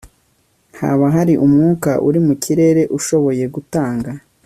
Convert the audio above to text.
Haba hari umwuka uri mu kirere ushoboye gutanga